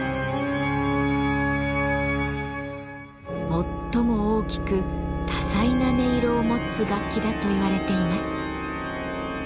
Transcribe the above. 最も大きく多彩な音色を持つ楽器だと言われています。